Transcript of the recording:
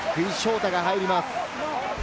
大が入ります。